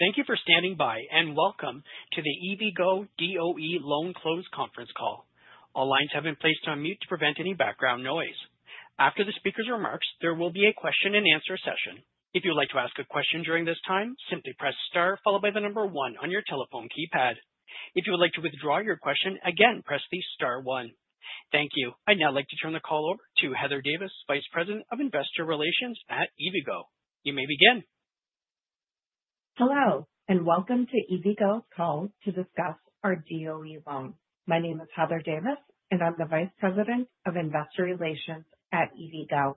Thank you for standing by, and welcome to the EVgo DOE Loan Close Conference Call. All lines have been placed on mute to prevent any background noise. After the speaker's remarks, there will be a question-and-answer session. If you would like to ask a question during this time, simply press star followed by the number one on your telephone keypad. If you would like to withdraw your question, again, press the star one. Thank you. I'd now like to turn the call over to Heather Davis, Vice President of Investor Relations at EVgo. You may begin. Hello, and welcome to EVgo's call to discuss our DOE loan. My name is Heather Davis, and I'm the Vice President of Investor Relations at EVgo.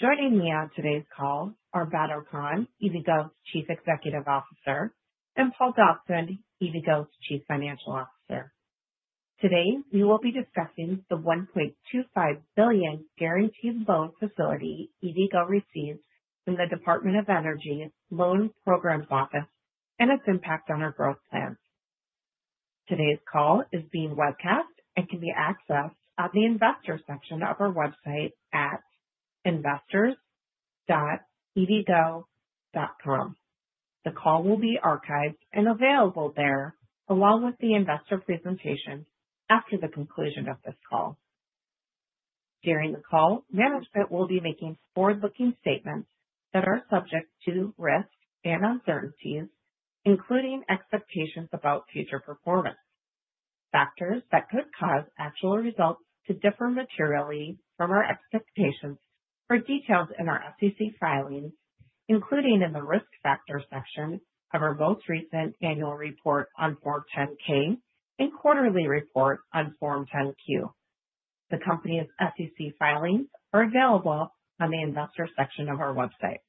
Joining me on today's call are Badar Khan, EVgo's Chief Executive Officer, and Paul Dobson, EVgo's Chief Financial Officer. Today, we will be discussing the $1.25 billion guaranteed loan facility EVgo received from the Department of Energy's Loan Programs Office and its impact on our growth plans. Today's call is being webcast and can be accessed on the investor section of our website at investors.evgo.com. The call will be archived and available there, along with the investor presentation, after the conclusion of this call. During the call, management will be making forward-looking statements that are subject to risks and uncertainties, including expectations about future performance, factors that could cause actual results to differ materially from our expectations. For details in our SEC filings, including in the risk factor section of our most recent annual report on Form 10-K and quarterly report on Form 10-Q, the company's SEC filings are available on the investor section of our website.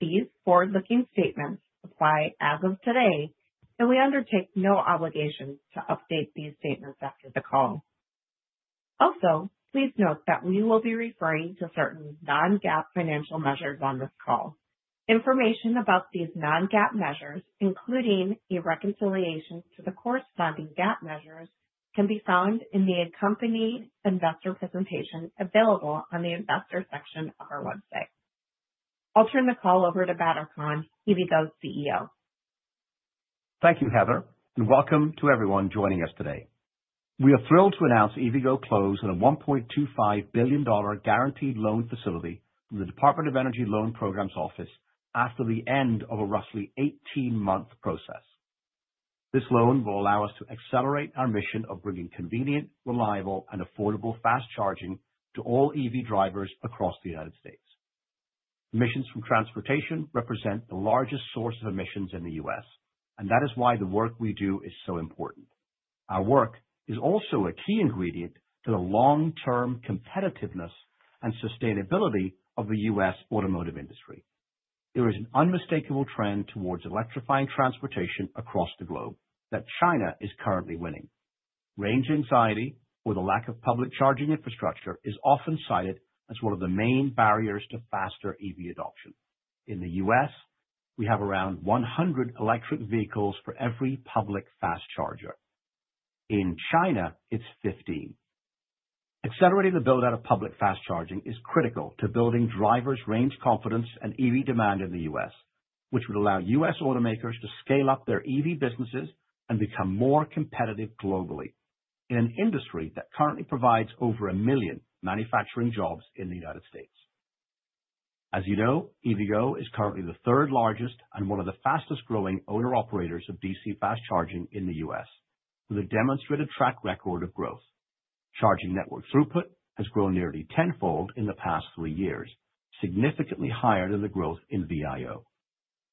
These forward-looking statements apply as of today, and we undertake no obligation to update these statements after the call. Also, please note that we will be referring to certain non-GAAP financial measures on this call. Information about these non-GAAP measures, including a reconciliation to the corresponding GAAP measures, can be found in the accompanying investor presentation available on the investor section of our website. I'll turn the call over to Badar Khan, EVgo's CEO. Thank you, Heather, and welcome to everyone joining us today. We are thrilled to announce the close and a $1.25 billion guaranteed loan facility from the Department of Energy Loan Programs Office after the end of a roughly 18-month process. This loan will allow us to accelerate our mission of bringing convenient, reliable, and affordable fast charging to all EV drivers across the United States. Emissions from transportation represent the largest source of emissions in the U.S., and that is why the work we do is so important. Our work is also a key ingredient to the long-term competitiveness and sustainability of the U.S. automotive industry. There is an unmistakable trend towards electrifying transportation across the globe that China is currently winning. Range anxiety, or the lack of public charging infrastructure, is often cited as one of the main barriers to faster EV adoption. In the U.S., we have around 100 electric vehicles for every public fast charger. In China, it's 15. Accelerating the build-out of public fast charging is critical to building drivers' range confidence and EV demand in the U.S., which would allow U.S. automakers to scale up their EV businesses and become more competitive globally in an industry that currently provides over a million manufacturing jobs in the United States. As you know, EVgo is currently the third largest and one of the fastest-growing owner-operators of DC fast charging in the U.S., with a demonstrated track record of growth. Charging network throughput has grown nearly tenfold in the past three years, significantly higher than the growth in VIO.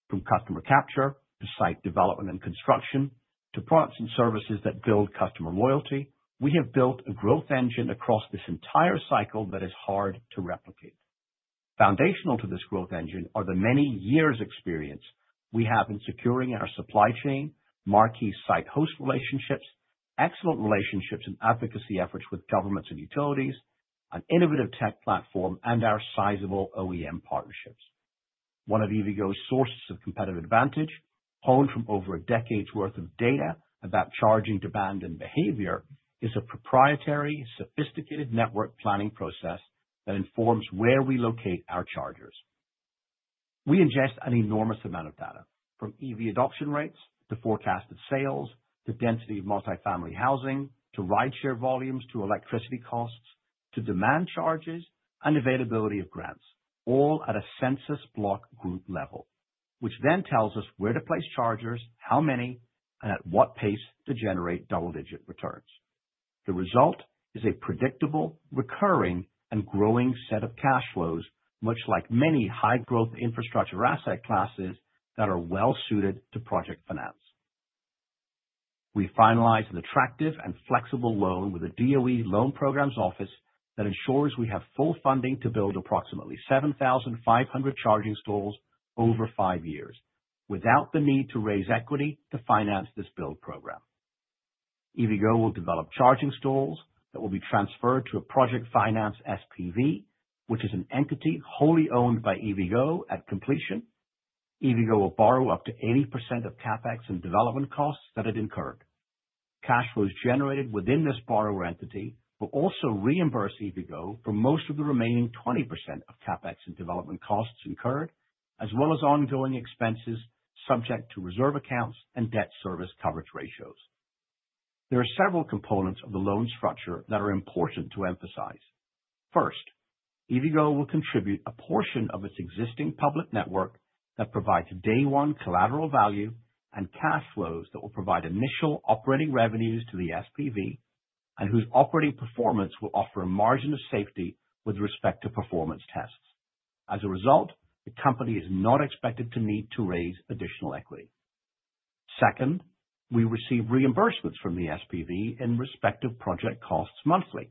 From customer capture to site development and construction to products and services that build customer loyalty, we have built a growth engine across this entire cycle that is hard to replicate. Foundational to this growth engine are the many years' experience we have in securing our supply chain, marquee site host relationships, excellent relationships and advocacy efforts with governments and utilities, an innovative tech platform, and our sizable OEM partnerships. One of EVgo's sources of competitive advantage, honed from over a decade's worth of data about charging demand and behavior, is a proprietary, sophisticated network planning process that informs where we locate our chargers. We ingest an enormous amount of data, from EV adoption rates to forecasted sales to density of multifamily housing to rideshare volumes to electricity costs to demand charges and availability of grants, all at a census block group level, which then tells us where to place chargers, how many, and at what pace to generate double-digit returns. The result is a predictable, recurring, and growing set of cash flows, much like many high-growth infrastructure asset classes that are well-suited to project finance. We finalize an attractive and flexible loan with the DOE Loan Programs Office that ensures we have full funding to build approximately 7,500 charging stalls over five years without the need to raise equity to finance this build program. EVgo will develop charging stalls that will be transferred to a project finance SPV, which is an entity wholly owned by EVgo at completion. EVgo will borrow up to 80% of CapEx and development costs that it incurred. Cash flows generated within this borrower entity will also reimburse EVgo for most of the remaining 20% of CapEx and development costs incurred, as well as ongoing expenses subject to reserve accounts and debt service coverage ratios. There are several components of the loan structure that are important to emphasize. First, EVgo will contribute a portion of its existing public network that provides day-one collateral value and cash flows that will provide initial operating revenues to the SPV and whose operating performance will offer a margin of safety with respect to performance tests. As a result, the company is not expected to need to raise additional equity. Second, we receive reimbursements from the SPV in respect of project costs monthly,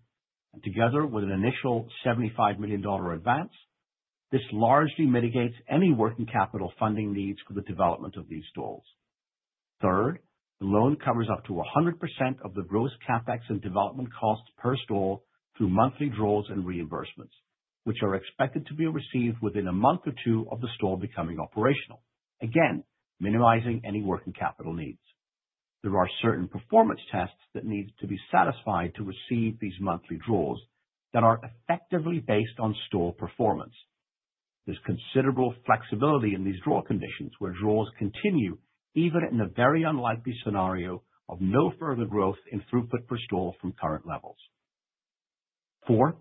and together with an initial $75 million advance, this largely mitigates any working capital funding needs for the development of these stalls. Third, the loan covers up to 100% of the gross CapEx and development costs per stall through monthly draws and reimbursements, which are expected to be received within a month or two of the stall becoming operational, again, minimizing any working capital needs. There are certain performance tests that need to be satisfied to receive these monthly draws that are effectively based on stall performance. There's considerable flexibility in these draw conditions, where draws continue even in a very unlikely scenario of no further growth in throughput per stall from current levels. Fourth,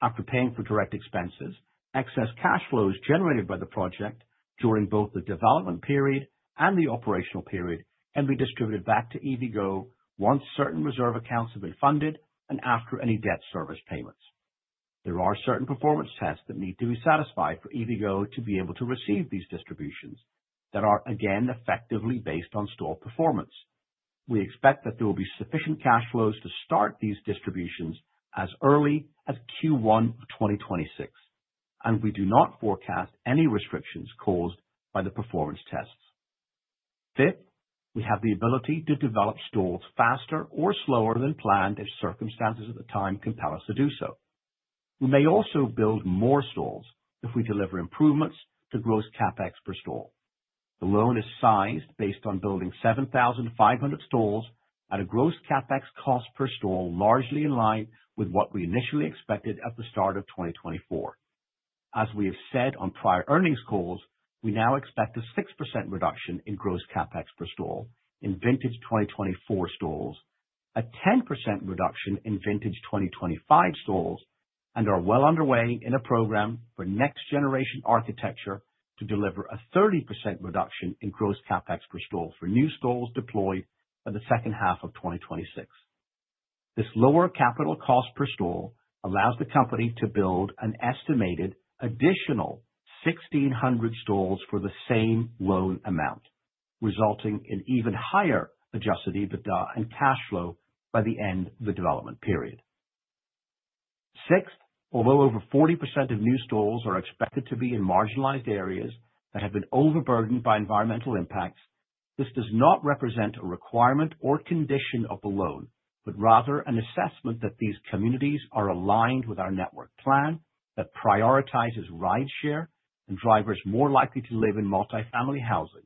after paying for direct expenses, excess cash flows generated by the project during both the development period and the operational period can be distributed back to EVgo once certain reserve accounts have been funded and after any debt service payments. There are certain performance tests that need to be satisfied for EVgo to be able to receive these distributions that are, again, effectively based on stall performance. We expect that there will be sufficient cash flows to start these distributions as early as Q1 of 2026, and we do not forecast any restrictions caused by the performance tests. Fifth, we have the ability to develop stalls faster or slower than planned if circumstances at the time compel us to do so. We may also build more stalls if we deliver improvements to gross CapEx per stall. The loan is sized based on building 7,500 stalls at a gross CapEx cost per stall largely in line with what we initially expected at the start of 2024. As we have said on prior earnings calls, we now expect a 6% reduction in gross CapEx per stall in vintage 2024 stalls, a 10% reduction in vintage 2025 stalls, and are well underway in a program for next-generation architecture to deliver a 30% reduction in gross CapEx per stall for new stalls deployed by the second half of 2026. This lower capital cost per stall allows the company to build an estimated additional 1,600 stalls for the same loan amount, resulting in even higher Adjusted EBITDA and cash flow by the end of the development period. Sixth, although over 40% of new stalls are expected to be in marginalized areas that have been overburdened by environmental impacts, this does not represent a requirement or condition of the loan, but rather an assessment that these communities are aligned with our network plan that prioritizes rideshare and drivers more likely to live in multifamily housing.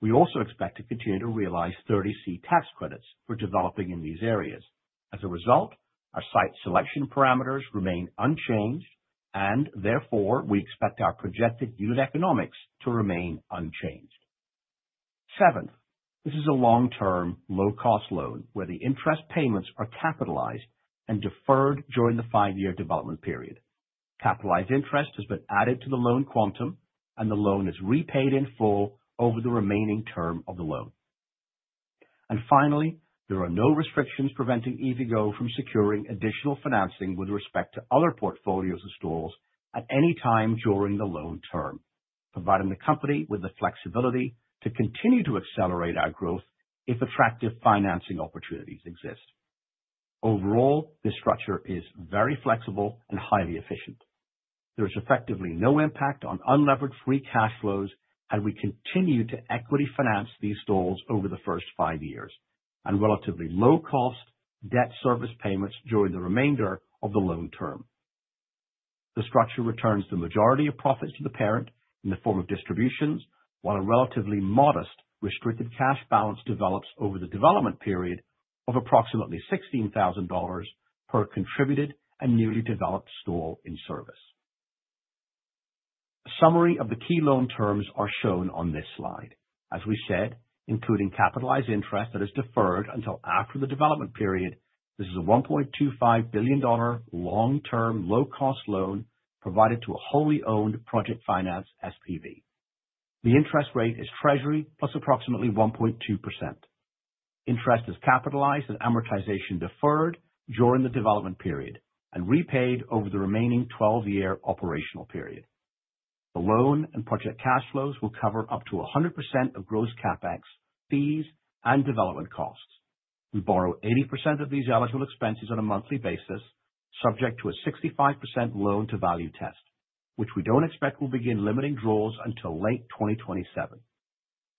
We also expect to continue to realize 30C tax credits for developing in these areas. As a result, our site selection parameters remain unchanged, and therefore, we expect our projected unit economics to remain unchanged. Seventh, this is a long-term, low-cost loan where the interest payments are capitalized and deferred during the five-year development period. Capitalized interest has been added to the loan quantum, and the loan is repaid in full over the remaining term of the loan, and finally, there are no restrictions preventing EVgo from securing additional financing with respect to other portfolios of stalls at any time during the loan term, providing the company with the flexibility to continue to accelerate our growth if attractive financing opportunities exist. Overall, this structure is very flexible and highly efficient. There is effectively no impact on unleveraged free cash flows, and we continue to equity finance these stalls over the first five years and relatively low-cost debt service payments during the remainder of the loan term. The structure returns the majority of profits to the parent in the form of distributions, while a relatively modest restricted cash balance develops over the development period of approximately $16,000 per contributed and newly developed stall in service. A summary of the key loan terms is shown on this slide. As we said, including capitalized interest that is deferred until after the development period, this is a $1.25 billion long-term, low-cost loan provided to a wholly owned project finance SPV. The interest rate is Treasury plus approximately 1.2%. Interest is capitalized and amortization deferred during the development period and repaid over the remaining 12-year operational period. The loan and project cash flows will cover up to 100% of gross CapEx, fees, and development costs. We borrow 80% of these eligible expenses on a monthly basis, subject to a 65% loan-to-value test, which we don't expect will begin limiting draws until late 2027.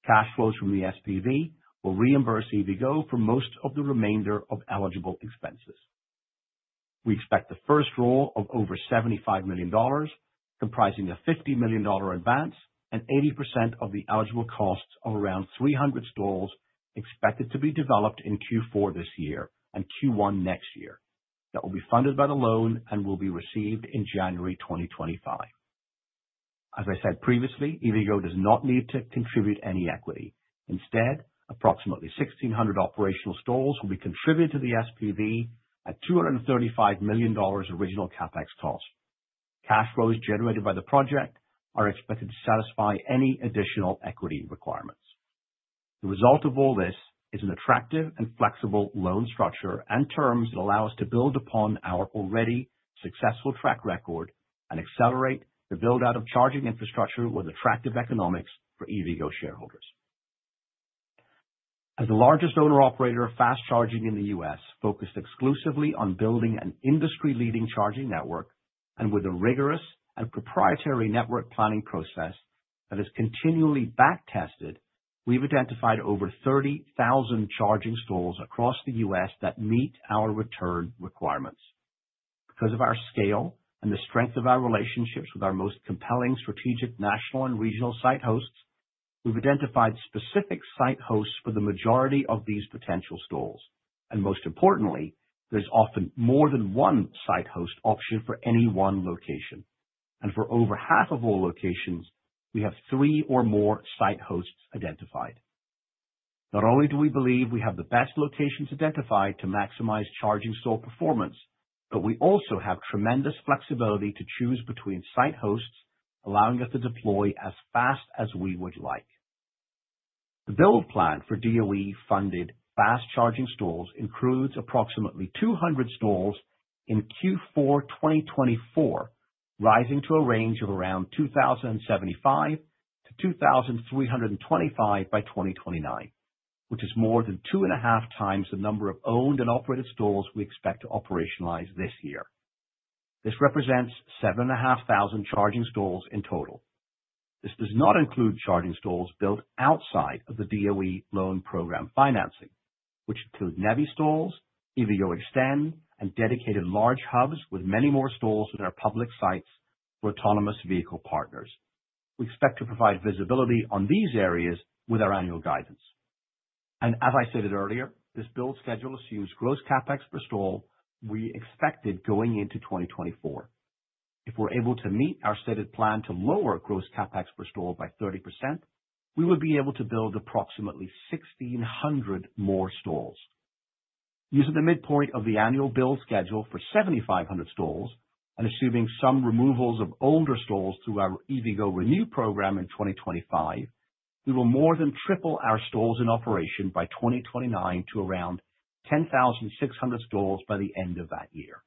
Cash flows from the SPV will reimburse EVgo for most of the remainder of eligible expenses. We expect the first draw of over $75 million, comprising a $50 million advance and 80% of the eligible costs of around 300 stalls expected to be developed in Q4 this year and Q1 next year that will be funded by the loan and will be received in January 2025. As I said previously, EVgo does not need to contribute any equity. Instead, approximately 1,600 operational stalls will be contributed to the SPV at $235 million original CapEx cost. Cash flows generated by the project are expected to satisfy any additional equity requirements. The result of all this is an attractive and flexible loan structure and terms that allow us to build upon our already successful track record and accelerate the build-out of charging infrastructure with attractive economics for EVgo shareholders. As the largest owner-operator of fast charging in the U.S., focused exclusively on building an industry-leading charging network and with a rigorous and proprietary network planning process that is continually backtested, we've identified over 30,000 charging stalls across the U.S. that meet our return requirements. Because of our scale and the strength of our relationships with our most compelling strategic national and regional site hosts, we've identified specific site hosts for the majority of these potential stalls. And most importantly, there's often more than one site host option for any one location. And for over half of all locations, we have three or more site hosts identified. Not only do we believe we have the best locations identified to maximize charging stall performance, but we also have tremendous flexibility to choose between site hosts, allowing us to deploy as fast as we would like. The build plan for DOE-funded fast charging stalls includes approximately 200 stalls in Q4 2024, rising to a range of around 2,075-2,325 by 2029, which is more than two and a half times the number of owned and operated stalls we expect to operationalize this year. This represents 7,500 charging stalls in total. This does not include charging stalls built outside of the DOE loan program financing, which include NEVI stalls, EVgo eXtend, and dedicated large hubs with many more stalls than our public sites for autonomous vehicle partners. We expect to provide visibility on these areas with our annual guidance, and as I stated earlier, this build schedule assumes gross CapEx per stall we expected going into 2024. If we're able to meet our stated plan to lower gross CapEx per stall by 30%, we would be able to build approximately 1,600 more stalls. Using the midpoint of the annual build schedule for 7,500 stalls, and assuming some removals of older stalls through our EVgo Renew program in 2025, we will more than triple our stalls in operation by 2029 to around 10,600 stalls by the end of that year.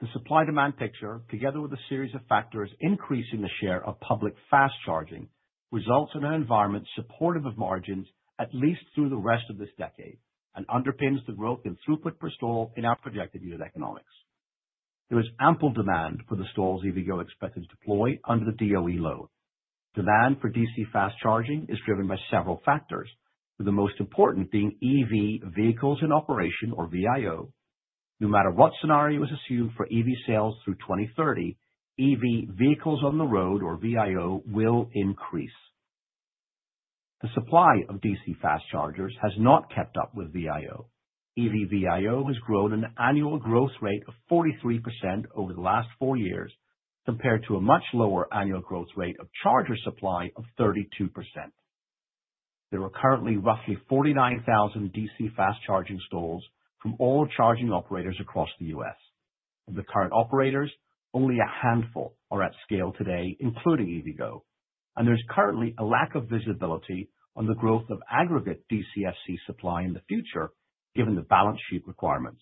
The supply-demand picture, together with a series of factors increasing the share of public fast charging, results in an environment supportive of margins at least through the rest of this decade and underpins the growth in throughput per stall in our projected unit economics. There is ample demand for the stalls EVgo expected to deploy under the DOE loan. Demand for DC fast charging is driven by several factors, with the most important being EV vehicles in operation, or VIO. No matter what scenario is assumed for EV sales through 2030, EV vehicles on the road, or VIO, will increase. The supply of DC fast chargers has not kept up with VIO. EV VIO has grown an annual growth rate of 43% over the last four years compared to a much lower annual growth rate of charger supply of 32%. There are currently roughly 49,000 DC fast charging stalls from all charging operators across the U.S. Of the current operators, only a handful are at scale today, including EVgo. There's currently a lack of visibility on the growth of aggregate DCFC supply in the future, given the balance sheet requirements.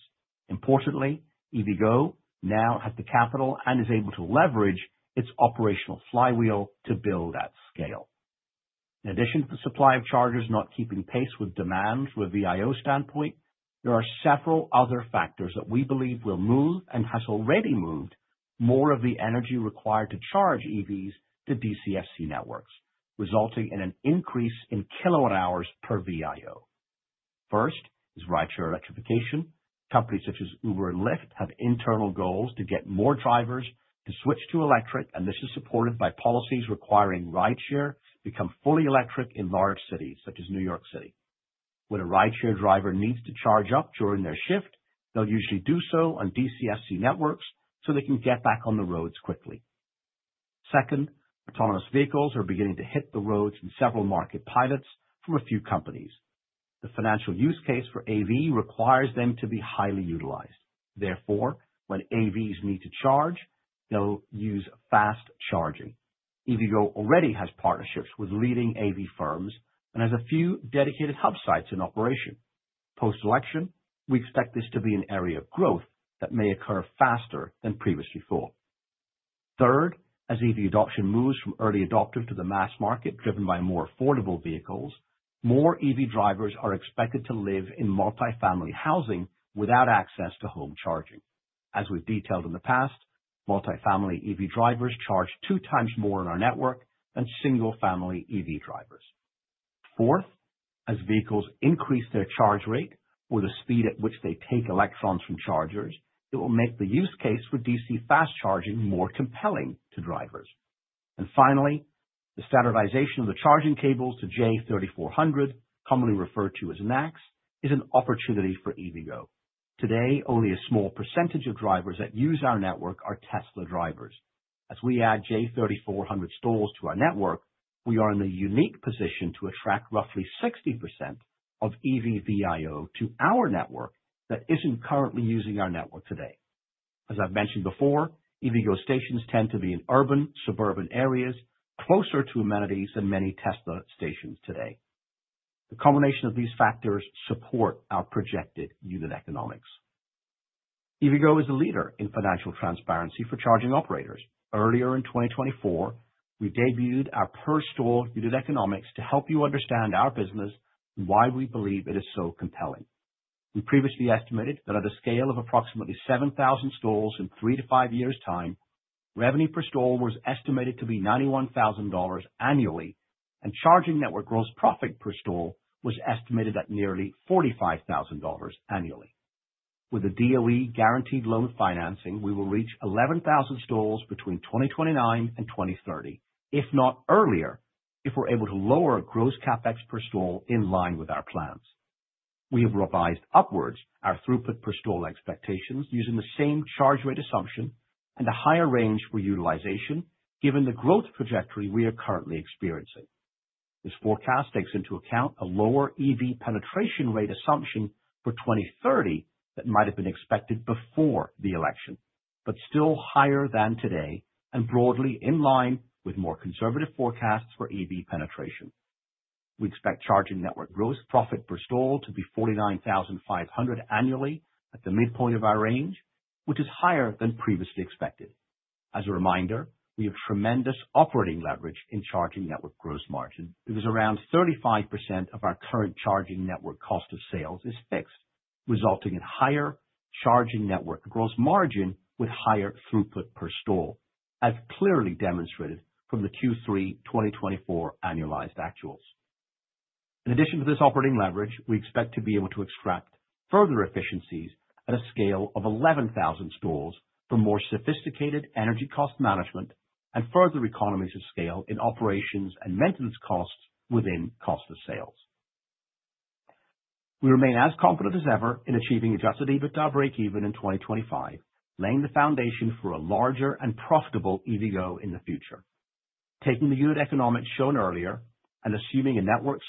Importantly, EVgo now has the capital and is able to leverage its operational flywheel to build at scale. In addition to the supply of chargers not keeping pace with demand from a VIO standpoint, there are several other factors that we believe will move and has already moved more of the energy required to charge EVs to DCFC networks, resulting in an increase in kilowatt-hours per VIO. First is rideshare electrification. Companies such as Uber and Lyft have internal goals to get more drivers to switch to electric, and this is supported by policies requiring rideshare to become fully electric in large cities such as New York City. When a rideshare driver needs to charge up during their shift, they'll usually do so on DCFC networks so they can get back on the roads quickly. Second, autonomous vehicles are beginning to hit the roads in several market pilots from a few companies. The financial use case for AV requires them to be highly utilized. Therefore, when AVs need to charge, they'll use fast charging. EVgo already has partnerships with leading AV firms and has a few dedicated hub sites in operation. Post-election, we expect this to be an area of growth that may occur faster than previously thought. Third, as EV adoption moves from early adopters to the mass market driven by more affordable vehicles, more EV drivers are expected to live in multifamily housing without access to home charging. As we've detailed in the past, multifamily EV drivers charge two times more on our network than single-family EV drivers. Fourth, as vehicles increase their charge rate or the speed at which they take electrons from chargers, it will make the use case for DC fast charging more compelling to drivers. And finally, the standardization of the charging cables to J3400, commonly referred to as NACS, is an opportunity for EVgo. Today, only a small percentage of drivers that use our network are Tesla drivers. As we add J3400 stalls to our network, we are in a unique position to attract roughly 60% of EV VIO to our network that isn't currently using our network today. As I've mentioned before, EVgo stations tend to be in urban, suburban areas closer to amenities than many Tesla stations today. The combination of these factors supports our projected unit economics. EVgo is a leader in financial transparency for charging operators. Earlier in 2024, we debuted our per-stall unit economics to help you understand our business and why we believe it is so compelling. We previously estimated that on a scale of approximately 7,000 stalls in three to five years' time, revenue per stall was estimated to be $91,000 annually, and charging network gross profit per stall was estimated at nearly $45,000 annually. With the DOE guaranteed loan financing, we will reach 11,000 stalls between 2029 and 2030, if not earlier, if we're able to lower gross CapEx per stall in line with our plans. We have revised upwards our throughput per stall expectations using the same charge rate assumption and a higher range for utilization given the growth trajectory we are currently experiencing. This forecast takes into account a lower EV penetration rate assumption for 2030 that might have been expected before the election, but still higher than today and broadly in line with more conservative forecasts for EV penetration. We expect charging network gross profit per stall to be $49,500 annually at the midpoint of our range, which is higher than previously expected. As a reminder, we have tremendous operating leverage in charging network gross margin. It is around 35% of our current charging network cost of sales is fixed, resulting in higher charging network gross margin with higher throughput per stall, as clearly demonstrated from the Q3 2024 annualized actuals. In addition to this operating leverage, we expect to be able to extract further efficiencies at a scale of 11,000 stalls for more sophisticated energy cost management and further economies of scale in operations and maintenance costs within cost of sales. We remain as confident as ever in achieving an adjusted EBITDA break-even in 2025, laying the foundation for a larger and profitable EVgo in the future. Taking the unit economics shown earlier and assuming a network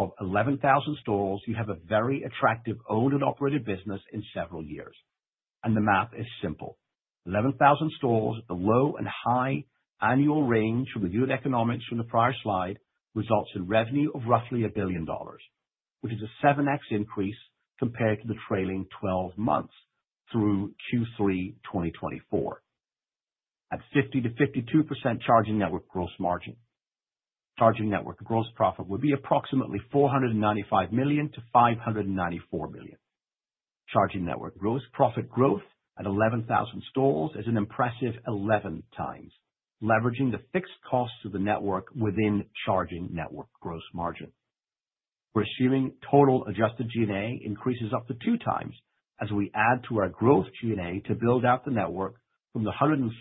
size of 11,000 stalls, you have a very attractive owned and operated business in several years, and the math is simple. 11,000 stalls at the low and high annual range from the unit economics from the prior slide results in revenue of roughly $1 billion, which is a 7X increase compared to the trailing 12 months through Q3 2024. At 50%-52% charging network gross margin, charging network gross profit would be approximately $495 million-$594 million. Charging network gross profit growth at 11,000 stalls is an impressive 11 times, leveraging the fixed costs of the network within charging network gross margin. We're assuming total Adjusted G&A increases up to two times as we add to our gross G&A to build out the network from the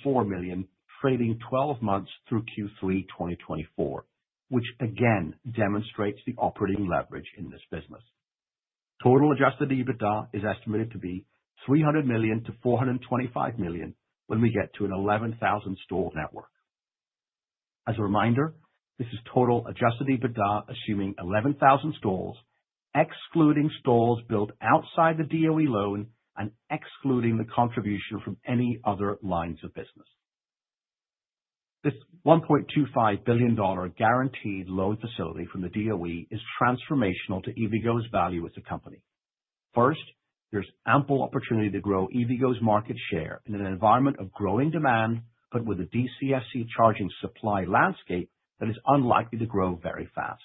$104 million trailing 12 months through Q3 2024, which again demonstrates the operating leverage in this business. Total Adjusted EBITDA is estimated to be $300 million-$425 million when we get to an 11,000 stall network. As a reminder, this is total Adjusted EBITDA assuming 11,000 stalls, excluding stalls built outside the DOE loan and excluding the contribution from any other lines of business. This $1.25 billion guaranteed loan facility from the DOE is transformational to EVgo's value as a company. First, there's ample opportunity to grow EVgo's market share in an environment of growing demand, but with a DCFC charging supply landscape that is unlikely to grow very fast,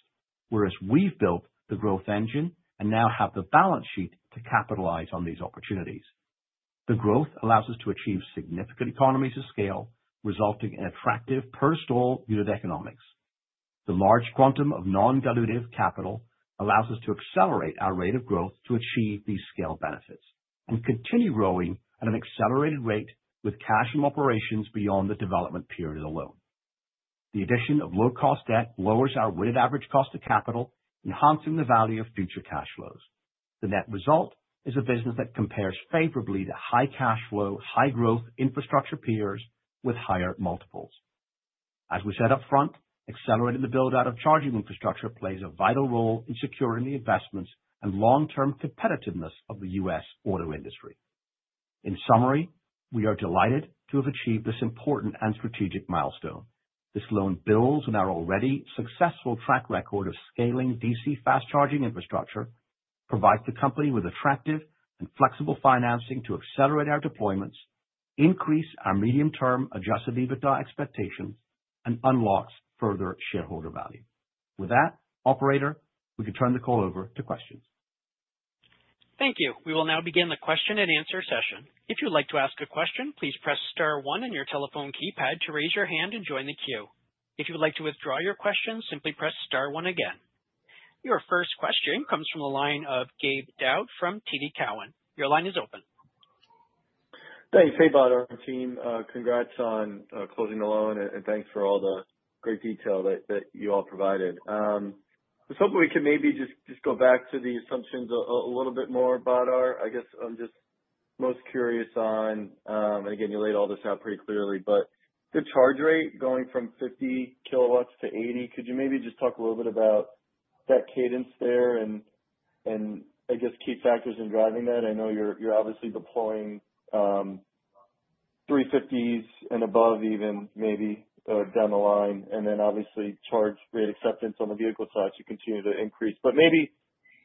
whereas we've built the growth engine and now have the balance sheet to capitalize on these opportunities. The growth allows us to achieve significant economies of scale, resulting in attractive per-stall unit economics. The large quantum of non-dilutive capital allows us to accelerate our rate of growth to achieve these scale benefits and continue growing at an accelerated rate with cash from operations beyond the development period alone. The addition of low-cost debt lowers our weighted average cost of capital, enhancing the value of future cash flows. The net result is a business that compares favorably to high cash flow, high growth infrastructure peers with higher multiples. As we said upfront, accelerating the build-out of charging infrastructure plays a vital role in securing the investments and long-term competitiveness of the U.S. auto industry. In summary, we are delighted to have achieved this important and strategic milestone. This loan builds on our already successful track record of scaling DC fast charging infrastructure, provides the company with attractive and flexible financing to accelerate our deployments, increase our medium-term Adjusted EBITDA expectations, and unlocks further shareholder value. With that, operator, we can turn the call over to questions. Thank you. We will now begin the question and answer session. If you'd like to ask a question, please press star one in your telephone keypad to raise your hand and join the queue. If you'd like to withdraw your question, simply press star one again. Your first question comes from the line of Gabe Daoud from TD Cowen. Your line is open. Thanks, hey Badar team. Congrats on closing the loan, and thanks for all the great detail that you all provided. Let's hope we can maybe just go back to the assumptions a little bit more, Badar. I guess I'm just most curious on, and again, you laid all this out pretty clearly, but the charge rate going from 50 kilowatts to 80, could you maybe just talk a little bit about that cadence there and, I guess, key factors in driving that? I know you're obviously deploying 350s and above even, maybe down the line, and then obviously charge rate acceptance on the vehicle side to continue to increase. But maybe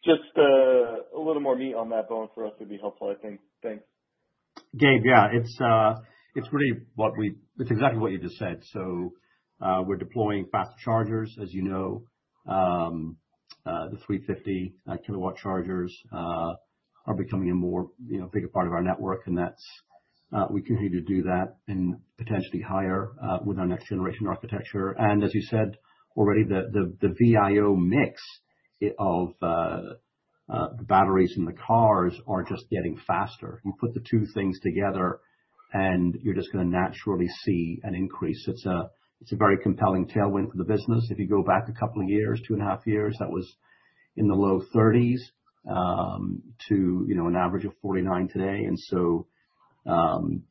just a little more meat on that bone for us would be helpful, I think. Thanks. Gabe, yeah, it's really what we, it's exactly what you just said. So we're deploying fast chargers, as you know. The 350 kilowatt chargers are becoming a bigger part of our network, and we continue to do that and potentially higher with our next-generation architecture. And as you said already, the VIO mix of the batteries in the cars are just getting faster. You put the two things together, and you're just going to naturally see an increase. It's a very compelling tailwind for the business. If you go back a couple of years, two and a half years, that was in the low 30s to an average of 49 today. And so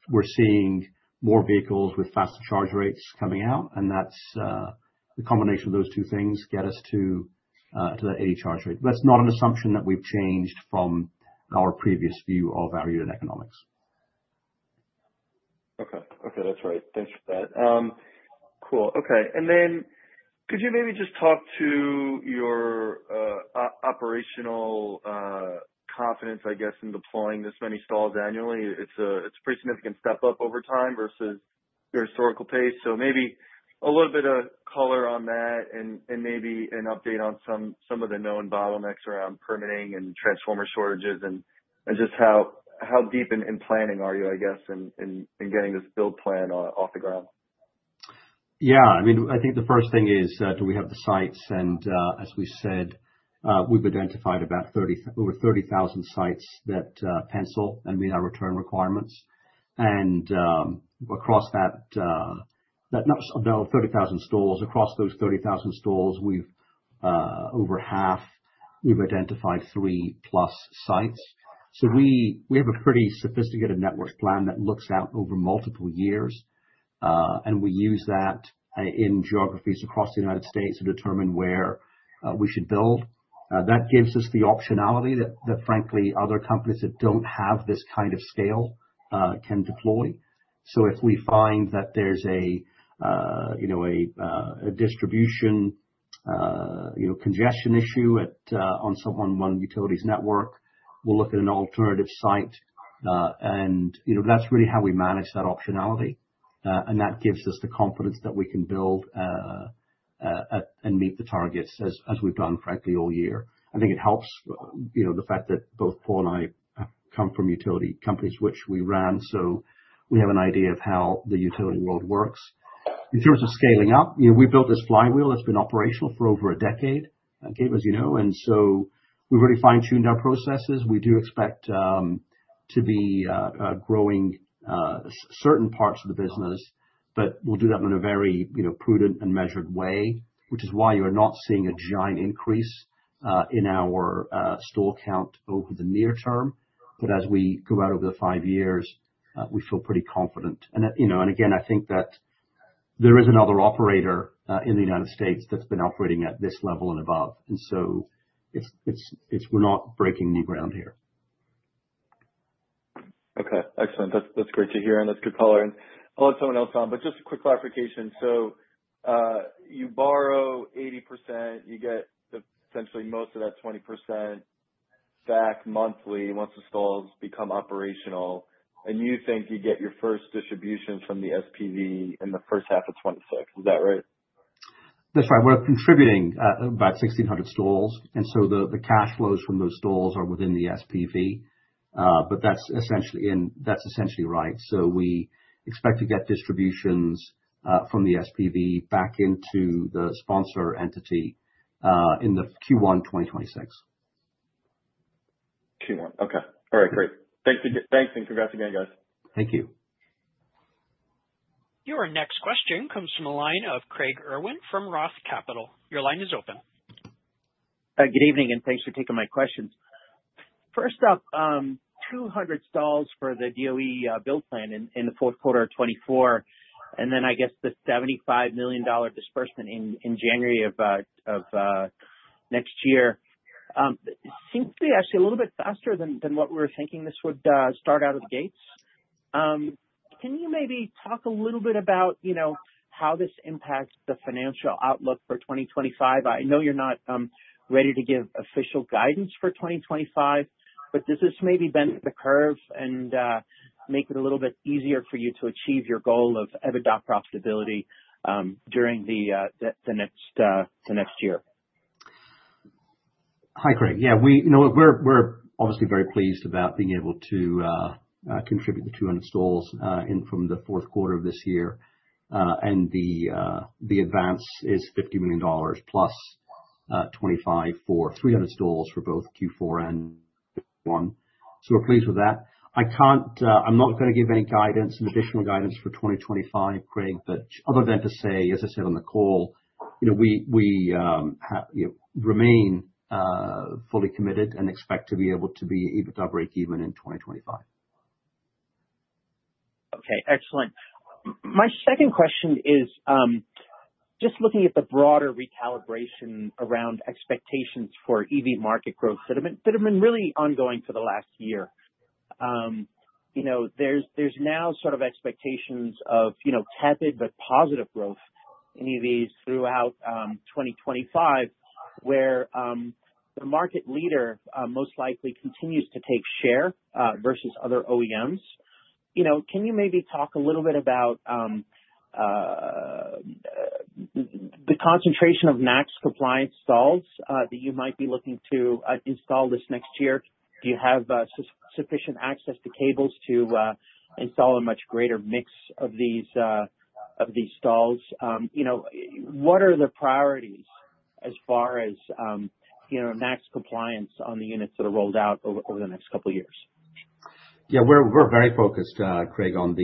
we're seeing more vehicles with faster charge rates coming out, and that's the combination of those two things gets us to that 80 charge rate. That's not an assumption that we've changed from our previous view of our unit economics. Okay. Okay, that's right. Thanks for that. Cool. Okay. And then could you maybe just talk to your operational confidence, I guess, in deploying this many stalls annually? It's a pretty significant step up over time versus your historical pace. So maybe a little bit of color on that and maybe an update on some of the known bottlenecks around permitting and transformer shortages and just how deep in planning are you, I guess, in getting this build plan off the ground? Yeah. I mean, I think the first thing is, do we have the sites? And as we said, we've identified about over 30,000 sites that pencil and meet our return requirements. And across that number of 30,000 stalls, across those 30,000 stalls, we've over half; we've identified three-plus sites. So we have a pretty sophisticated network plan that looks out over multiple years, and we use that in geographies across the United States to determine where we should build. That gives us the optionality that, frankly, other companies that don't have this kind of scale can't deploy. So if we find that there's a distribution congestion issue on someone's utility's network, we'll look at an alternative site. And that's really how we manage that optionality. And that gives us the confidence that we can build and meet the targets as we've done, frankly, all year. I think it helps the fact that both Paul and I come from utility companies, which we ran, so we have an idea of how the utility world works. In terms of scaling up, we built this flywheel that's been operational for over a decade, Gabe, as you know, and so we've really fine-tuned our processes. We do expect to be growing certain parts of the business, but we'll do that in a very prudent and measured way, which is why you're not seeing a giant increase in our stall count over the near term, but as we go out over the five years, we feel pretty confident, and again, I think that there is another operator in the United States that's been operating at this level and above, and so we're not breaking new ground here. Okay. Excellent. That's great to hear, and that's good color. And I'll let someone else on, but just a quick clarification. So you borrow 80%, you get essentially most of that 20% back monthly once the stalls become operational. And you think you get your first distributions from the SPV in the first half of 2026. Is that right? That's right. We're contributing about 1,600 stalls. And so the cash flows from those stalls are within the SPV. But that's essentially right. So we expect to get distributions from the SPV back into the sponsor entity in Q1 2026. Q1. Okay. All right. Great. Thanks and congrats again, guys. Thank you. Your next question comes from the line of Craig Irwin from Roth Capital. Your line is open. Good evening, and thanks for taking my questions. First up, 200 stalls for the DOE build plan in the fourth quarter of 2024, and then I guess the $75 million disbursement in January of next year. Seems to be actually a little bit faster than what we were thinking this would start out of the gates. Can you maybe talk a little bit about how this impacts the financial outlook for 2025? I know you're not ready to give official guidance for 2025, but does this maybe bend the curve and make it a little bit easier for you to achieve your goal of EBITDA profitability during the next year? Hi, Craig. Yeah. We're obviously very pleased about being able to contribute the 200 stalls from the fourth quarter of this year, and the advance is $50 million plus $25 million for 300 stalls for both Q4 and Q1. So we're pleased with that. I'm not going to give any guidance, some additional guidance for 2025, Craig, but other than to say, as I said on the call, we remain fully committed and expect to be able to be EBITDA break-even in 2025. Okay. Excellent. My second question is just looking at the broader recalibration around expectations for EV market growth. It's been really ongoing for the last year. There's now sort of expectations of tepid but positive growth in EVs throughout 2025, where the market leader most likely continues to take share versus other OEMs. Can you maybe talk a little bit about the concentration of NACS compliance stalls that you might be looking to install this next year? Do you have sufficient access to cables to install a much greater mix of these stalls? What are the priorities as far as NACS compliance on the units that are rolled out over the next couple of years? Yeah. We're very focused, Craig, on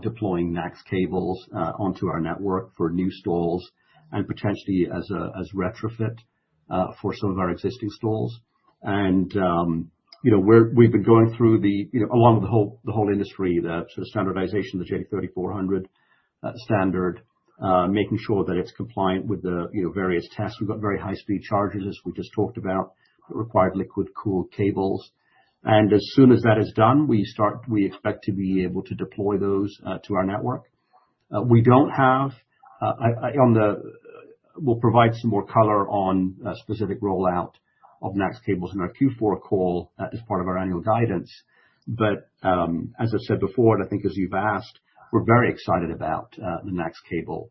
deploying NACS cables onto our network for new stalls and potentially as retrofit for some of our existing stalls. And we've been going through, along with the whole industry, the standardization of the J3400 standard, making sure that it's compliant with the various tests. We've got very high-speed chargers, as we just talked about, that require liquid-cooled cables. And as soon as that is done, we expect to be able to deploy those to our network. We don't have. We'll provide some more color on specific rollout of NACS cables in our Q4 call as part of our annual guidance. But as I've said before, and I think as you've asked, we're very excited about the NACS cable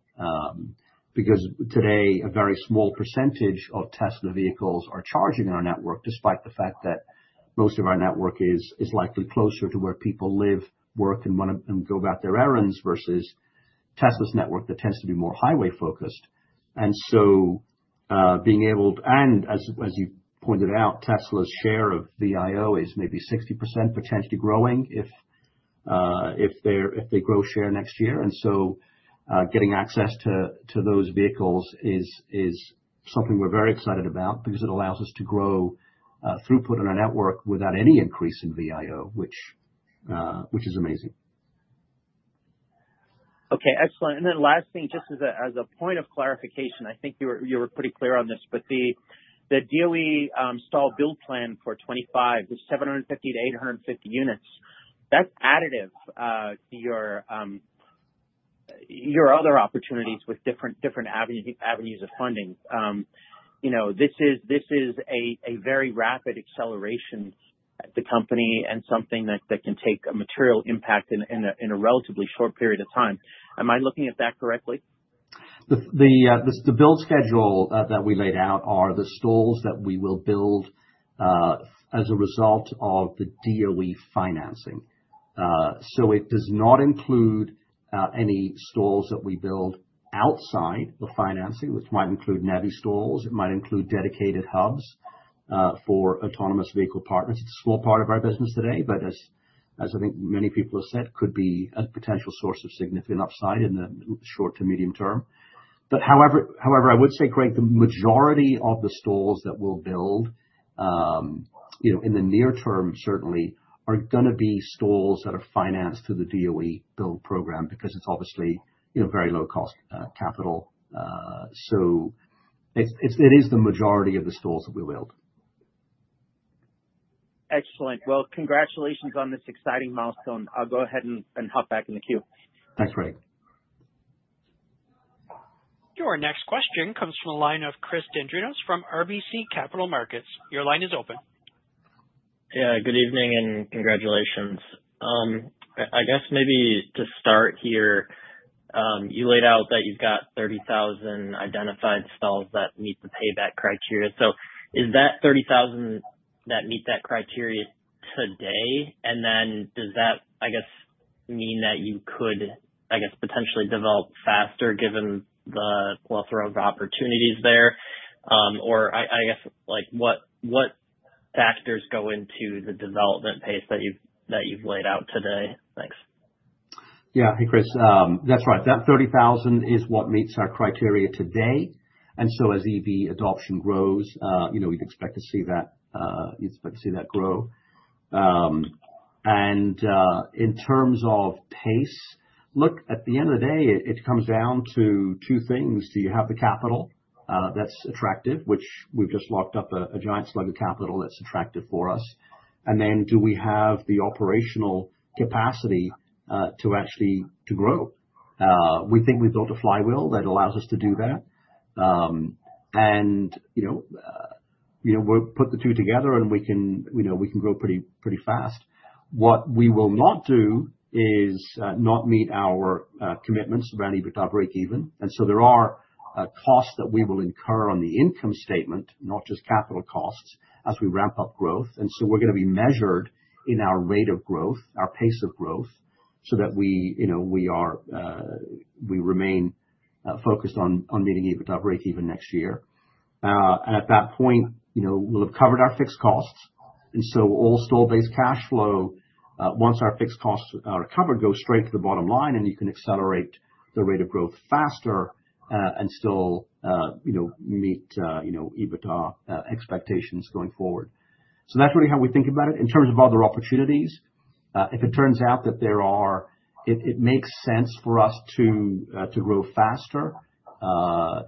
because today, a very small percentage of Tesla vehicles are charging in our network, despite the fact that most of our network is likely closer to where people live, work, and go about their errands versus Tesla's network that tends to be more highway-focused. And so being able, and as you pointed out, Tesla's share of VIO is maybe 60%, potentially growing if they grow share next year. And so getting access to those vehicles is something we're very excited about because it allows us to grow throughput on our network without any increase in VIO, which is amazing. Okay. Excellent. And then last thing, just as a point of clarification, I think you were pretty clear on this, but the DOE stall build plan for 2025, the 750-850 units, that's additive to your other opportunities with different avenues of funding. This is a very rapid acceleration at the company and something that can take a material impact in a relatively short period of time. Am I looking at that correctly? The build schedule that we laid out are the stalls that we will build as a result of the DOE financing. So it does not include any stalls that we build outside the financing. This might include NEVI stalls. It might include dedicated hubs for autonomous vehicle partners. It's a small part of our business today, but as I think many people have said, could be a potential source of significant upside in the short to medium term. But however, I would say, Craig, the majority of the stalls that we'll build in the near term, certainly, are going to be stalls that are financed through the DOE build program because it's obviously very low-cost capital. So it is the majority of the stalls that we will build. Excellent. Well, congratulations on this exciting milestone. I'll go ahead and hop back in the queue. Thanks, Craig. Your next question comes from the line of Chris Dendrinos from RBC Capital Markets. Your line is open. Yeah. Good evening and congratulations. I guess maybe to start here, you laid out that you've got 30,000 identified stalls that meet the payback criteria. So is that 30,000 that meet that criteria today? And then does that, I guess, mean that you could, I guess, potentially develop faster given the plethora of opportunities there? Or I guess, what factors go into the development pace that you've laid out today? Thanks. Yeah. Hey, Chris. That's right. That 30,000 is what meets our criteria today. And so as EV adoption grows, we'd expect to see that—you'd expect to see that grow. And in terms of pace, look, at the end of the day, it comes down to two things. Do you have the capital that's attractive, which we've just locked up a giant slug of capital that's attractive for us? And then do we have the operational capacity to actually grow? We think we've built a flywheel that allows us to do that. And we'll put the two together, and we can grow pretty fast. What we will not do is not meet our commitments around EBITDA break-even. And so there are costs that we will incur on the income statement, not just capital costs, as we ramp up growth. So we're going to be measured in our rate of growth, our pace of growth, so that we remain focused on meeting EBITDA break-even next year. And at that point, we'll have covered our fixed costs. And so all stall-based cash flow, once our fixed costs are covered, go straight to the bottom line, and you can accelerate the rate of growth faster and still meet EBITDA expectations going forward. So that's really how we think about it. In terms of other opportunities, if it turns out that it makes sense for us to grow faster,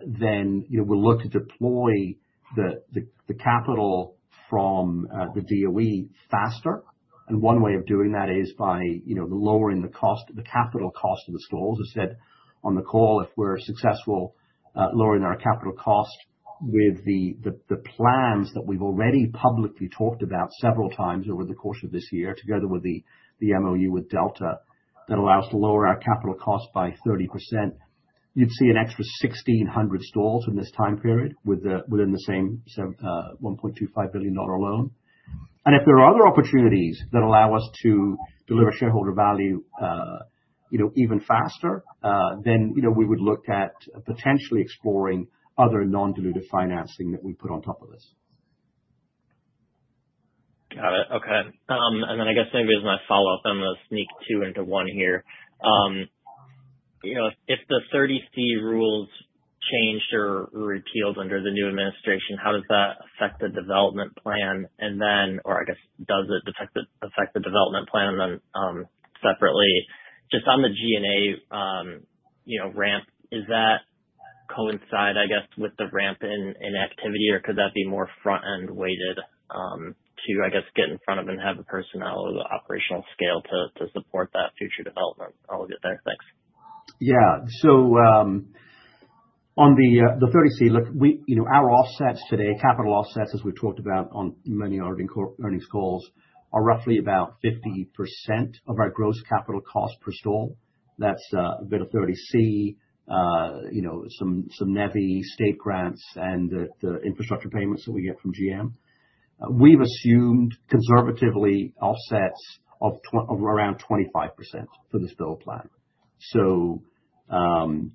then we'll look to deploy the capital from the DOE faster. And one way of doing that is by lowering the capital cost of the stalls. As I said on the call, if we're successful lowering our capital cost with the plans that we've already publicly talked about several times over the course of this year, together with the MOU with Delta that allows us to lower our capital cost by 30%, you'd see an extra 1,600 stalls in this time period within the same $1.25 billion loan, and if there are other opportunities that allow us to deliver shareholder value even faster, then we would look at potentially exploring other non-dilutive financing that we put on top of this. Got it. Okay. And then I guess maybe as my follow-up, I'm going to sneak two into one here. If the 30C rules change or repealed under the new administration, how does that affect the development plan? And then, or I guess, does it affect the development plan separately? Just on the G&A ramp, does that coincide, I guess, with the ramp in activity, or could that be more front-end weighted to, I guess, get in front of and have the personnel or the operational scale to support that future development? I'll get there. Thanks. Yeah. So on the 30C, look, our offsets today, capital offsets, as we've talked about on many earnings calls, are roughly about 50% of our gross capital cost per stall. That's a bit of 30C, some NEVI state grants, and the infrastructure payments that we get from GM. We've assumed conservatively offsets of around 25% for this build plan. So we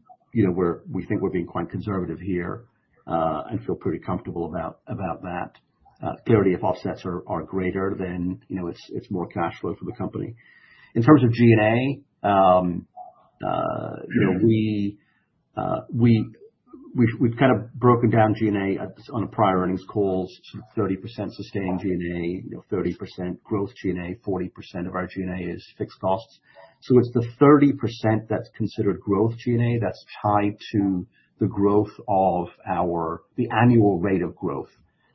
think we're being quite conservative here and feel pretty comfortable about that. Clearly, if offsets are greater, then it's more cash flow for the company. In terms of G&A, we've kind of broken down G&A on a prior earnings call, sort of 30% sustained G&A, 30% growth G&A, 40% of our G&A is fixed costs. So it's the 30% that's considered growth G&A that's tied to the growth of the annual rate of growth.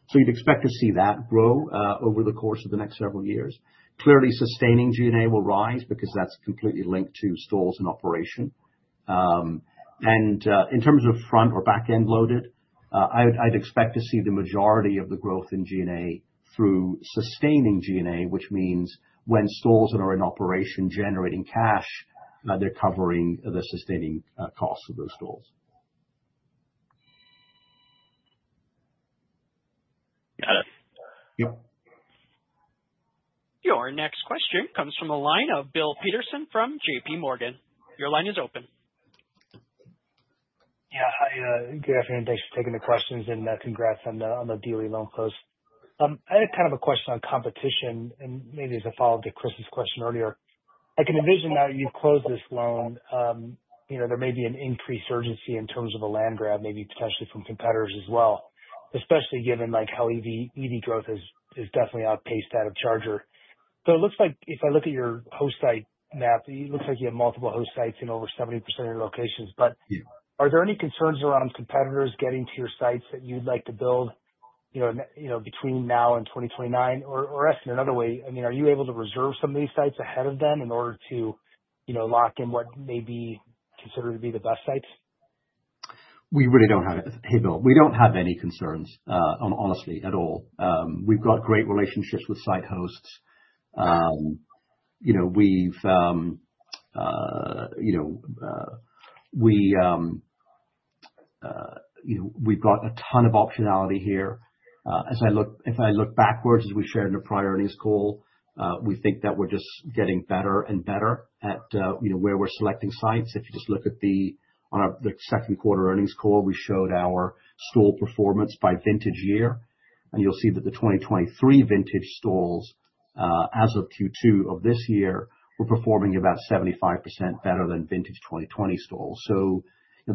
So you'd expect to see that grow over the course of the next several years. Clearly, sustaining G&A will rise because that's completely linked to stalls and operation, and in terms of front or back-end loaded, I'd expect to see the majority of the growth in G&A through sustaining G&A, which means when stalls that are in operation generating cash, they're covering the sustaining costs of those stalls. Got it. Your next question comes from a line of Bill Peterson from JPMorgan. Your line is open. Yeah. Hi. Good afternoon. Thanks for taking the questions and congrats on the DOE loan close. I had kind of a question on competition, and maybe as a follow-up to Chris's question earlier. I can envision now that you've closed this loan, there may be an increased urgency in terms of a land grab, maybe potentially from competitors as well, especially given how EV growth is definitely outpacing the build-out of chargers. So it looks like if I look at your host site map, it looks like you have multiple host sites in over 70% of your locations. But are there any concerns around competitors getting to your sites that you'd like to build between now and 2029? Or asked in another way, I mean, are you able to reserve some of these sites ahead of time in order to lock in what may be considered to be the best sites? We really don't have it. Hey, Bill, we don't have any concerns, honestly, at all. We've got great relationships with site hosts. We've got a ton of optionality here. As I look backwards, as we shared in a prior earnings call, we think that we're just getting better and better at where we're selecting sites. If you just look at the second quarter earnings call, we showed our stall performance by vintage year. And you'll see that the 2023 vintage stalls, as of Q2 of this year, were performing about 75% better than vintage 2020 stalls. So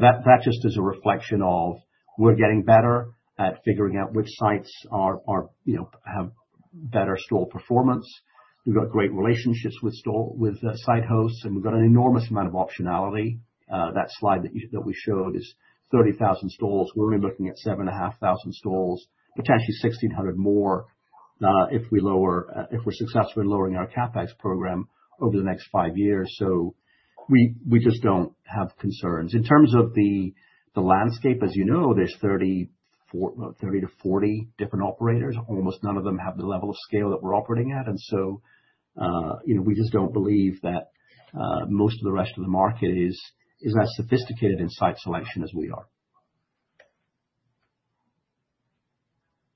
that just is a reflection of we're getting better at figuring out which sites have better stall performance. We've got great relationships with site hosts, and we've got an enormous amount of optionality. That slide that we showed is 30,000 stalls. We're only looking at 7,500 stalls, potentially 1,600 more if we're successful in lowering our CapEx program over the next five years, so we just don't have concerns. In terms of the landscape, as you know, there's 30-40 different operators. Almost none of them have the level of scale that we're operating at, and so we just don't believe that most of the rest of the market is as sophisticated in site selection as we are.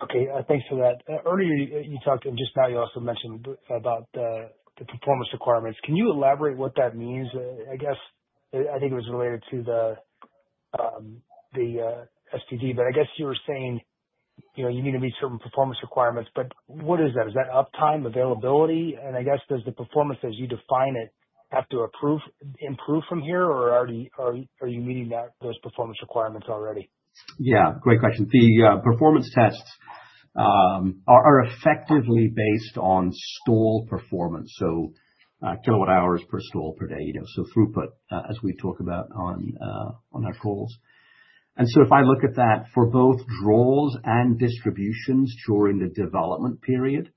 Okay. Thanks for that. Earlier, you talked and just now you also mentioned about the performance requirements. Can you elaborate what that means? I guess I think it was related to the SPV, but I guess you were saying you meet certain performance requirements. But what is that? Is that uptime, availability? And I guess does the performance, as you define it, have to improve from here, or are you meeting those performance requirements already? Yeah. Great question. The performance tests are effectively based on stall performance, so kilowatt-hours per stall per day, so throughput, as we talk about on our calls. And so if I look at that for both draws and distributions during the development period,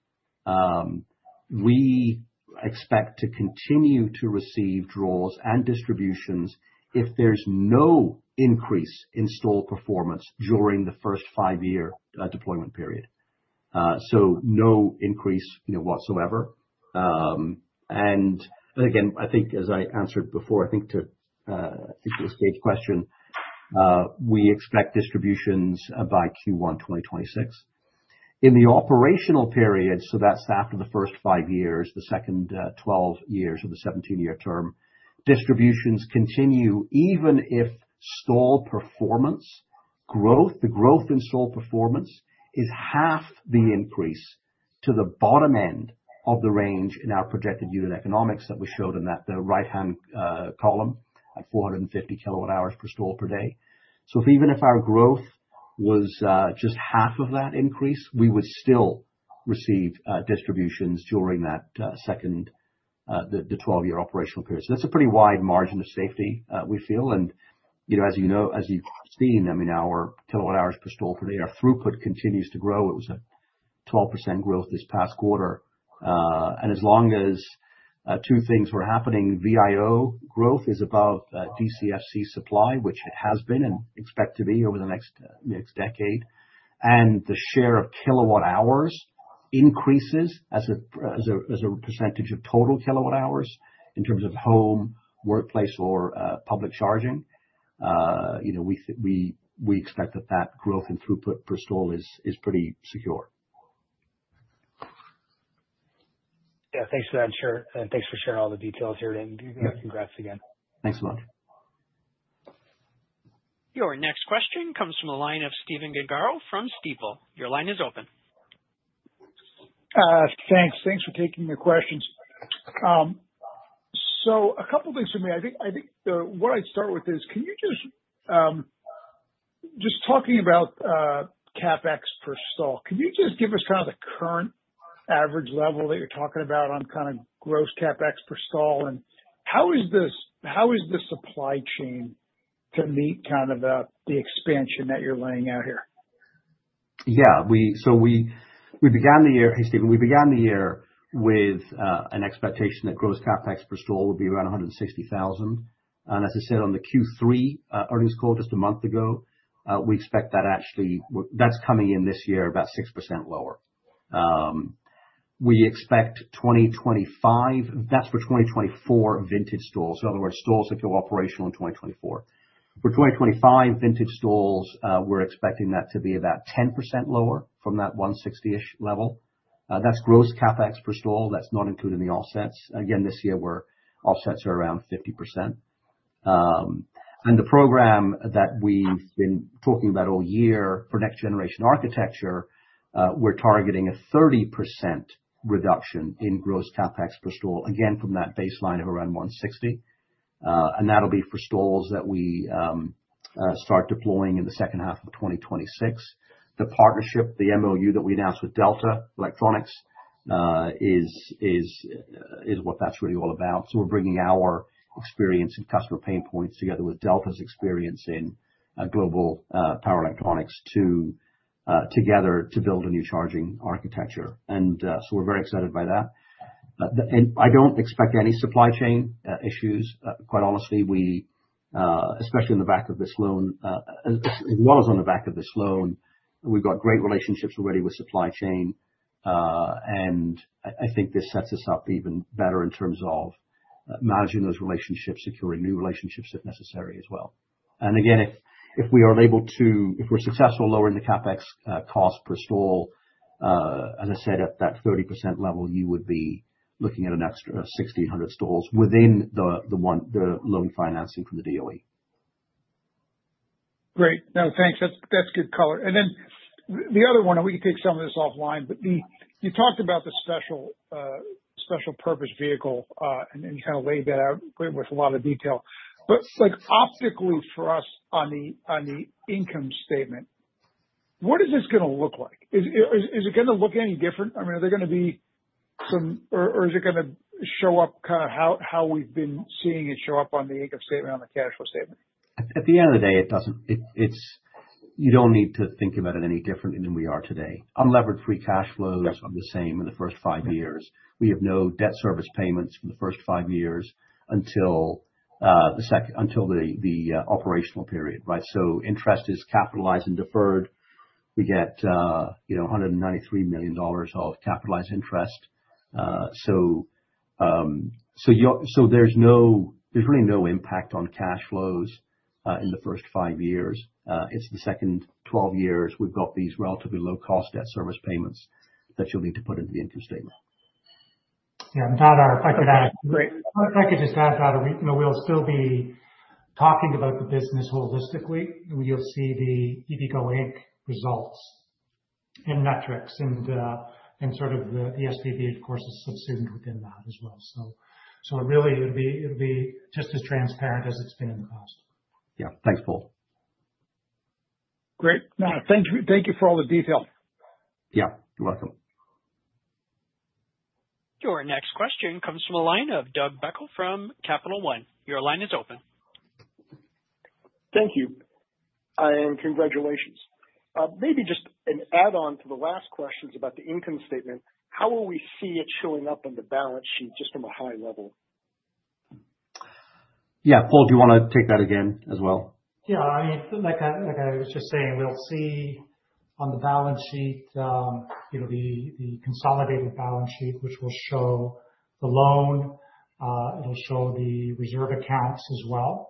we expect to continue to receive draws and distributions if there's no increase in stall performance during the first five-year deployment period. So no increase whatsoever. And again, I think, as I answered before, I think to the last question, we expect distributions by Q1 2026. In the operational period, so that's after the first five years, the second 12 years of the 17-year term, distributions continue even if stall performance growth, the growth in stall performance, is half the increase to the bottom end of the range in our projected unit economics that we showed in the right-hand column at 450 kilowatt-hours per stall per day. So even if our growth was just half of that increase, we would still receive distributions during the 12-year operational period. So that's a pretty wide margin of safety, we feel. And as you know, as you've seen, I mean, our kilowatt-hours per stall per day, our throughput continues to grow. It was a 12% growth this past quarter. And as long as two things were happening, VIO growth is above DCFC supply, which it has been and expected to be over the next decade. And the share of kilowatt-hours increases as a percentage of total kilowatt-hours in terms of home, workplace, or public charging. We expect that that growth in throughput per stall is pretty secure. Yeah. Thanks for that. And thanks for sharing all the details here. And congrats again. Thanks a lot. Your next question comes from the line of Stephen Gengaro from Stifel. Your line is open. Thanks. Thanks for taking the questions. So a couple of things for me. I think what I'd start with is, can you just talk about CapEx per stall? Can you just give us kind of the current average level that you're talking about on kind of gross CapEx per stall? And how is the supply chain to meet kind of the expansion that you're laying out here? Yeah. So we began the year. Hey, Stephen, we began the year with an expectation that gross CapEx per stall would be around $160,000. And as I said on the Q3 earnings call just a month ago, we expect that actually that's coming in this year about 6% lower. We expect 2025. That's for 2024 vintage stalls. In other words, stalls that go operational in 2024. For 2025 vintage stalls, we're expecting that to be about 10% lower from that 160-ish level. That's gross CapEx per stall. That's not including the offsets. Again, this year, our offsets are around 50%. And the program that we've been talking about all year for next-generation architecture, we're targeting a 30% reduction in gross CapEx per stall, again, from that baseline of around 160. And that'll be for stalls that we start deploying in the second half of 2026. The partnership, the MOU that we announced with Delta Electronics is what that's really all about. So we're bringing our experience and customer pain points together with Delta's experience in global power electronics together to build a new charging architecture. And so we're very excited by that. And I don't expect any supply chain issues. Quite honestly, especially on the back of this loan, as well as on the back of this loan, we've got great relationships already with supply chain. And I think this sets us up even better in terms of managing those relationships, securing new relationships if necessary as well. And again, if we are able to, if we're successful lowering the CapEx cost per stall, as I said, at that 30% level, you would be looking at an extra 1,600 stalls within the loan financing from the DOE. Great. No, thanks. That's good color. And then the other one, and we can take some of this offline, but you talked about the special purpose vehicle, and you kind of laid that out with a lot of detail. But optically, for us, on the income statement, what is this going to look like? Is it going to look any different? I mean, are there going to be some, or is it going to show up kind of how we've been seeing it show up on the income statement, on the cash flow statement? At the end of the day, you don't need to think about it any different than we are today. Unleveraged free cash flows are the same in the first five years. We have no debt service payments for the first five years until the operational period, right? So interest is capitalized and deferred. We get $193 million of capitalized interest. So there's really no impact on cash flows in the first five years. It's the second 12 years. We've got these relatively low-cost debt service payments that you'll need to put into the income statement. Yeah. If I could add, if I could just add that we'll still be talking about the business holistically. You'll see the EVgo Inc results and metrics and sort of the SPV, of course, is subsumed within that as well. So really, it'll be just as transparent as it's been in the past. Yeah. Thanks, Paul. Great. Thank you for all the detail. Yeah. You're welcome. Your next question comes from a line of Doug Becker from Capital One. Your line is open. Thank you and congratulations. Maybe just an add-on to the last questions about the income statement, how will we see it showing up on the balance sheet just from a high level? Yeah. Paul, do you want to take that again as well? Yeah. I mean, like I was just saying, we'll see on the balance sheet, the consolidated balance sheet, which will show the loan. It'll show the reserve accounts as well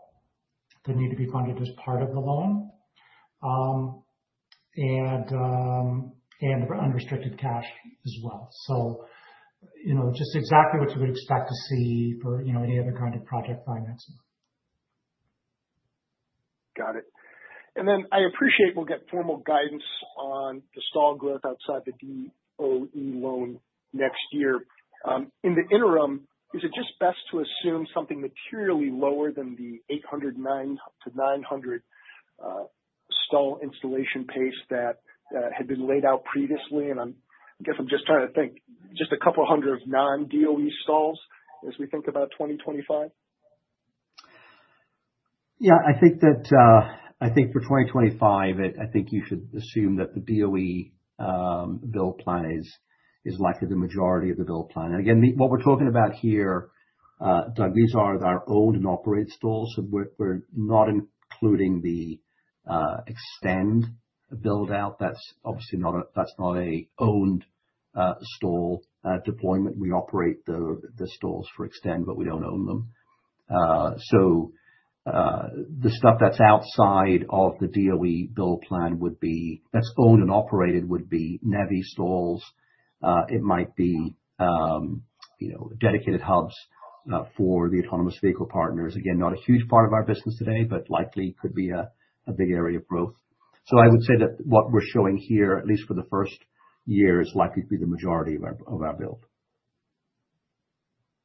that need to be funded as part of the loan and unrestricted cash as well. So just exactly what you would expect to see for any other kind of project financing. Got it. And then I appreciate we'll get formal guidance on the stall growth outside the DOE loan next year. In the interim, is it just best to assume something materially lower than the 809-900 stall installation pace that had been laid out previously? And I guess I'm just trying to think, just a couple of hundred of non-DOE stalls as we think about 2025? Yeah. I think for 2025, I think you should assume that the DOE build plan is likely the majority of the build plan. And again, what we're talking about here, Doug, these are our owned and operated stalls. So we're not including the eXtend build-out. That's obviously not an owned stall deployment. We operate the stalls for eXtend, but we don't own them. So the stuff that's outside of the DOE build plan that's owned and operated would be NEVI stalls. It might be dedicated hubs for the autonomous vehicle partners. Again, not a huge part of our business today, but likely could be a big area of growth. So I would say that what we're showing here, at least for the first year, is likely to be the majority of our build.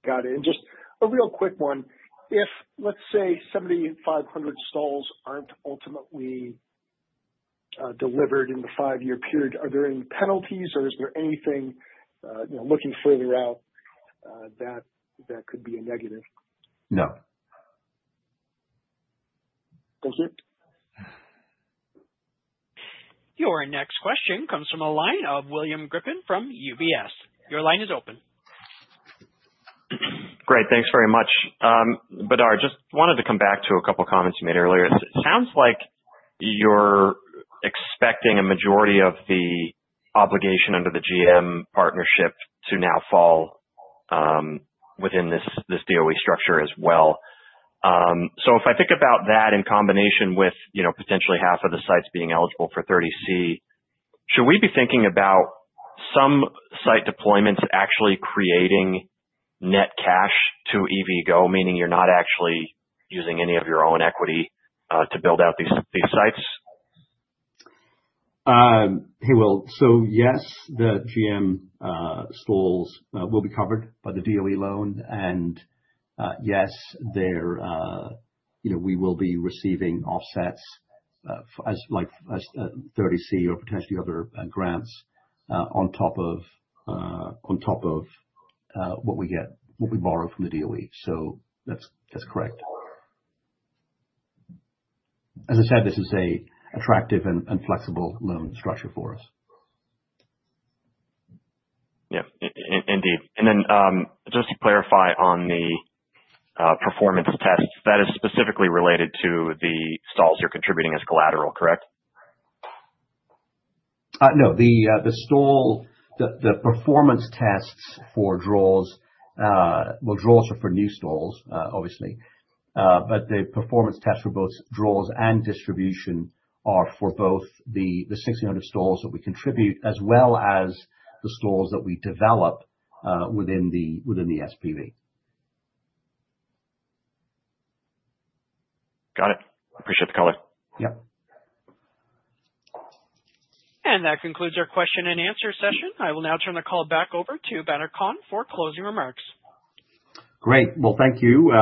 Got it. And just a real quick one. If, let's say, 7,500 stalls aren't ultimately delivered in the five-year period, are there any penalties, or is there anything looking further out that could be a negative? No. Thank you. Your next question comes from a line of William Griffin from UBS. Your line is open. Great. Thanks very much. Badar, just wanted to come back to a couple of comments you made earlier. It sounds like you're expecting a majority of the obligation under the GM partnership to now fall within this DOE structure as well. So if I think about that in combination with potentially half of the sites being eligible for 30C, should we be thinking about some site deployments actually creating net cash to EVgo, meaning you're not actually using any of your own equity to build out these sites? Hey, Will. So yes, the GM stalls will be covered by the DOE loan. And yes, we will be receiving offsets like 30C or potentially other grants on top of what we borrow from the DOE. So that's correct. As I said, this is an attractive and flexible loan structure for us. Yeah. Indeed. And then just to clarify on the performance tests, that is specifically related to the stalls you're contributing as collateral, correct? No. The performance tests for draws, well, draws are for new stalls, obviously. But the performance tests for both draws and distribution are for both the 1,600 stalls that we contribute as well as the stalls that we develop within the SPV. Got it. Appreciate the color. Yep. That concludes our question and answer session. I will now turn the call back over to Badar Khan for closing remarks. Great. Well, thank you.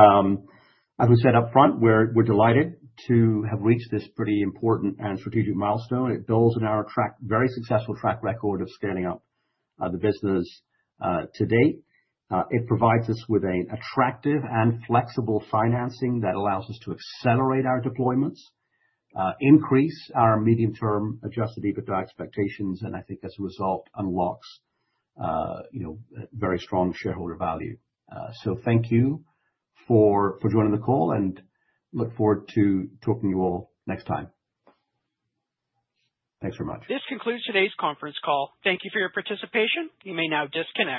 As we said upfront, we're delighted to have reached this pretty important and strategic milestone. It builds on our very successful track record of scaling up the business to date. It provides us with an attractive and flexible financing that allows us to accelerate our deployments, increase our medium-term Adjusted EBITDA expectations, and I think as a result, unlocks very strong shareholder value. So thank you for joining the call, and look forward to talking to you all next time. Thanks very much. This concludes today's conference call. Thank you for your participation. You may now disconnect.